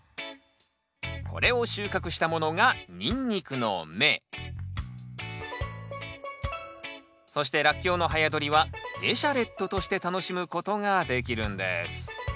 これを収穫したものがそしてラッキョウの早どりはエシャレットとして楽しむことができるんです